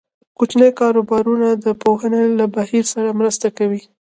کوچني کاروبارونه د پوهنې له بهیر سره مرسته کوي.